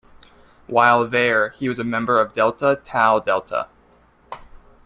While there, he was a member of Delta Tau Delta.